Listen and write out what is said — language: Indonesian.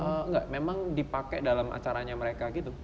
enggak memang dipakai dalam acaranya mereka gitu